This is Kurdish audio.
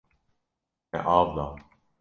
Me av da.